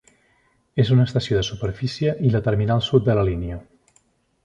És una estació de superfície i la terminal sud de la línia.